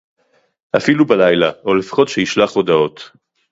אפילו בלילה, או לפחות שישלח הודעות